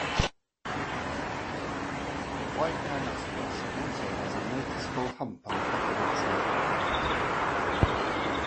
The white rhinoceros also has a noticeable hump on the back of its neck.